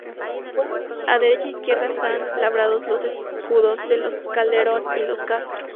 A derecha e izquierda están labrados los escudos de los Calderón y los Castro.